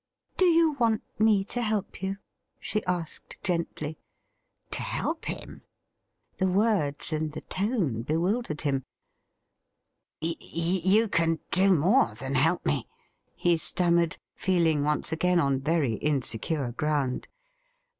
' Do you want me to help you ?' she asked gently. To help him ! The words and the tone bewildered him. SOMEONE HAS BLUNDERED 81 ' You can do more than help me,' he stammered, feeling once again on very insecure ground.